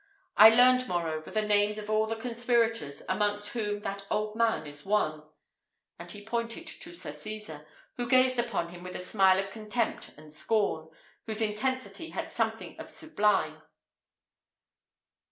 I learned, moreover, the names of all the conspirators, amongst whom that old man is one;" and he pointed to Sir Cesar, who gazed upon him with a smile of contempt and scorn, whose intensity had something of sublime.